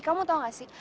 kamu tau gak sih